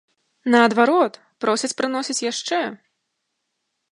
Наадварот, просяць прыносіць яшчэ!